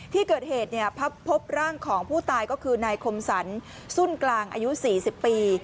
ที่เกิดเหตุพบร่างของผู้ตายก็คือนายคมสรรสุ่นกลางอายุ๔๐ปี